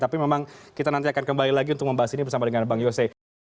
tapi memang kita nanti akan kembali lagi untuk membahas ini bersama dengan bang yosef